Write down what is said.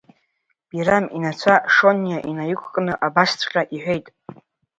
Бирам инацәа Шониа инаиқәкны, абасҵәҟьа иҳәеит…